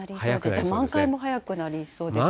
じゃあ満開も早くなりそうですよね。